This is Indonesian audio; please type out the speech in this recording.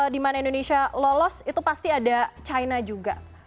di mana indonesia lolos itu pasti ada china juga